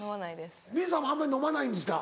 未唯ｍｉｅさんもあんまり飲まないんですか。